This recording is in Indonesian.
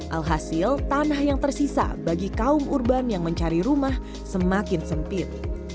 alhasil tanah yang tersisa bagi kaum urban yang mencari rumah semakin sempit